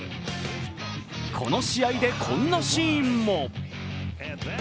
この試合でこんなシーンも。